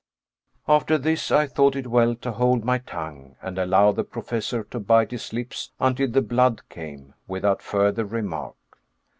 After this I thought it well to hold my tongue, and allow the Professor to bite his lips until the blood came, without further remark.